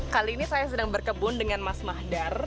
kali ini saya sedang berkebun dengan mas mahdar